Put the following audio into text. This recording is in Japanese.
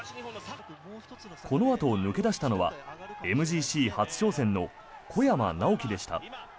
このあと、抜け出したのはＭＧＣ初挑戦の小山直城でした。